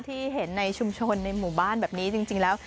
ที่เห็นในชุมชนในหมู่บ้านแบบนี้จริงแล้ว